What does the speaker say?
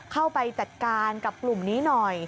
เข้าไปจัดการกับกลุ่มนี้หน่อย